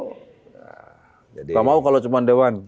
tidak mau kalau cuma dewan